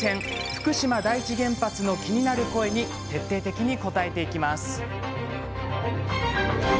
福島第一原発の気になる声に徹底的に答えていきます。